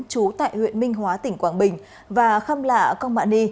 trú tại huyện minh hóa tỉnh quảng bình và khâm lạ công mạ ni